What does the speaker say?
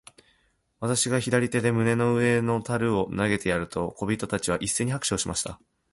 私が左手で胸の上の樽を投げてやると、小人たちは一せいに拍手しました。